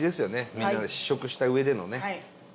みんなで試食したうえでのね。